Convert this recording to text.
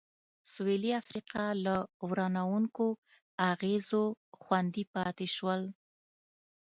سوېلي افریقا له ورانوونکو اغېزو خوندي پاتې شول.